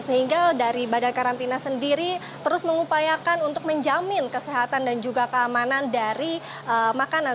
sehingga dari badan karantina sendiri terus mengupayakan untuk menjamin kesehatan dan juga keamanan dari makanan